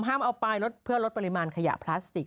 เอาไปลดเพื่อลดปริมาณขยะพลาสติก